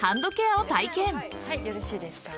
よろしいですか？